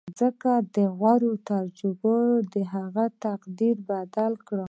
ځکه دغو تجربو د هغه تقدير بدل کړ.